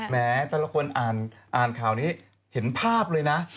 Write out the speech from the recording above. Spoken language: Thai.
แม้แต่ละคนอ่านข่าวนี้เห็นภาพเลยนะ